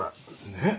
ねっ。